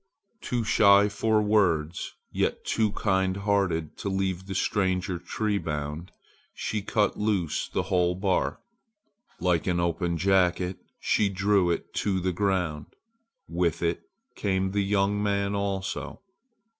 Too shy for words, yet too kind hearted to leave the stranger tree bound, she cut loose the whole bark. Like an open jacket she drew it to the ground. With it came the young man also.